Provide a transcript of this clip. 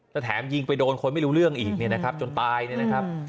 แล้วแถมยิงไปโดนคนไม่รู้เรื่องอีกเนี่ยนะครับจนตายเนี่ยนะครับ